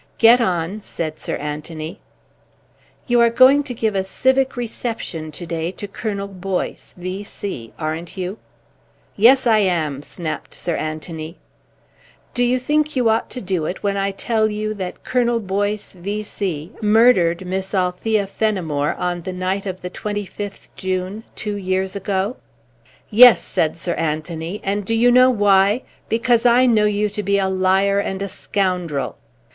"Get on," said Sir Anthony. "You are going to give a civic reception to day to Colonel Boyce, V.C., aren't you?" "Yes, I am," snapped Sir Anthony. "Do you think you ought to do it when I tell you that Colonel Boyce, V.C., murdered Miss Althea Fenimore on the night of the 25th June, two years ago?" "Yes," said Sir Anthony. "And do you know why? Because I know you to be a liar and a scoundrel."